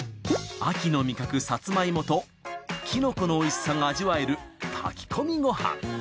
秋の味覚さつまいもときのこのおいしさが味わえる炊き込みごはん。